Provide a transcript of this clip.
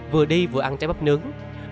vừa đi vừa ăn trái bắp nướng